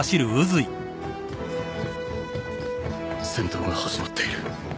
戦闘が始まっている